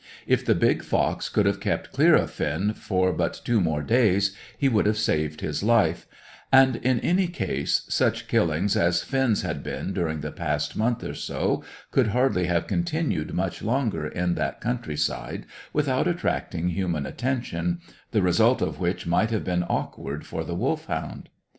If the big fox could have kept clear of Finn for but two more days he would have saved his life; and, in any case, such killings as Finn's had been during the past month or so could hardly have continued much longer in that country side without attracting human attention, the result of which might have been awkward for the Wolfhound.